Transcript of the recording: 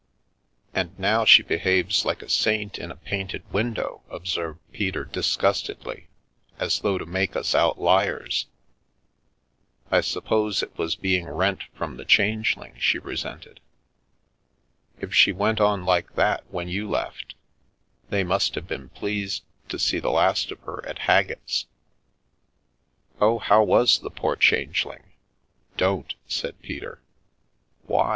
" And now she behaves like a saint in a painted win dow," observed Peter disgustedly, " as though to make us out liars. I suppose it was being rent from the Changeling she resented. If she went on like that when you left, they must have been pleased to see the last of her at Haggett's." "Oh, how was the poor Changeling?" * Don't 1" said Peter. The Milky Way u Why